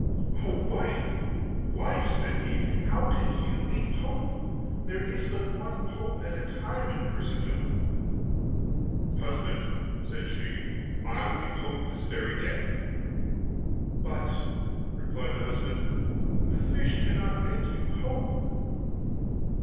'O wife, wife!' said he, 'how can you be pope? there is but one pope at a time in Christendom.' 'Husband,' said she, 'I will be pope this very day.' 'But,' replied the husband, 'the fish cannot make you pope.